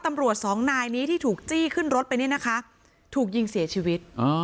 ตำรวจสองนายนี้ที่ถูกจี้ขึ้นรถไปเนี่ยนะคะถูกยิงเสียชีวิต